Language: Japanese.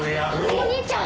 お兄ちゃん！